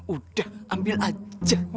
udah ambil aja